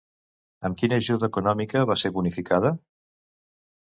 Amb quina ajuda econòmica va ser bonificada?